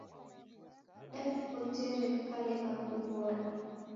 Daw'ikotere w'ikalegha kughora